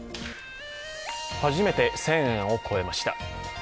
初めて１０００円を超えました。